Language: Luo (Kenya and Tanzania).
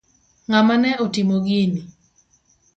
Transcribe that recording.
Ng'ama ne otimo gini?